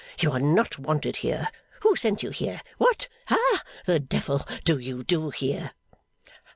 You are not wanted here. Who sent you here? What ha the Devil do you do here?